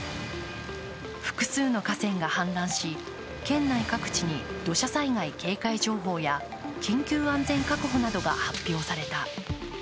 複数の河川が氾濫し、県内各地に土砂災害警戒情報や、緊急安全確保などが発表された。